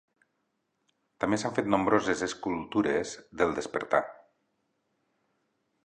També s"han fet nombroses escultures del "despertar".